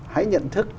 hãy nhận thức